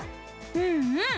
うんうん！